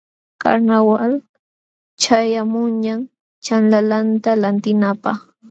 Karnawal ćhayaqmunñam ćhanlalanta lantinapaq.